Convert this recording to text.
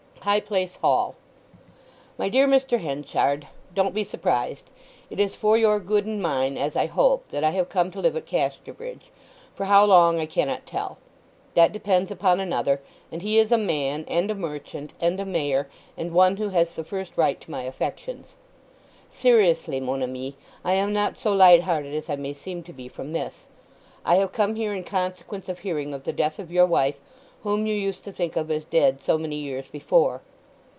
HIGH PLACE HALL MY DEAR MR. HENCHARD,—Don't be surprised. It is for your good and mine, as I hope, that I have come to live at Casterbridge—for how long I cannot tell. That depends upon another; and he is a man, and a merchant, and a Mayor, and one who has the first right to my affections. Seriously, mon ami, I am not so light hearted as I may seem to be from this. I have come here in consequence of hearing of the death of your wife—whom you used to think of as dead so many years before!